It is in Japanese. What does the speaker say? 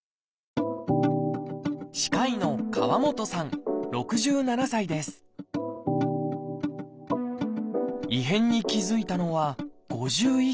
歯科医の異変に気付いたのは５１歳のとき。